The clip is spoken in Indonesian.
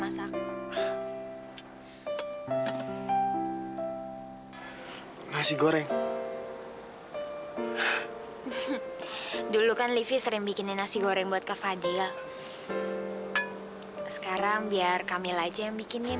masak nasi goreng dulu kan livi sering bikinin nasi goreng buat kak fadil sekarang biar kamil aja yang bikinin